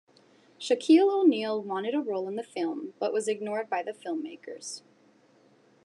Shaquille O'Neal wanted a role in the film but was ignored by the filmmakers.